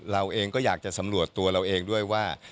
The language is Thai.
เราเองก็อยากจะสำรวจตัวเราเองด้วยว่า